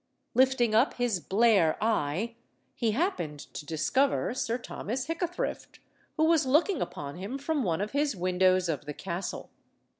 Lifting up his blare eye, he happened to discover Sir Thomas Hickathrift, who was looking upon him from one of his windows of the castle.